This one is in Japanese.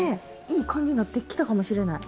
いい感じになってきたかもしれない。